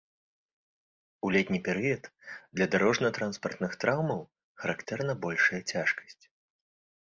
У летні перыяд для дарожна-транспартных траўмаў характэрна большая цяжкасць.